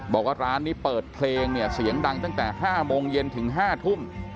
บอกว่าร้านนี้เปิดเพลงเนี่ยเสียงดังตั้งแต่๕โมงเย็นถึง๕ทุ่ม